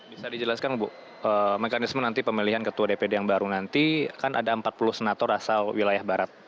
bisa dijelaskan bu mekanisme nanti pemilihan ketua dpd yang baru nanti kan ada empat puluh senator asal wilayah barat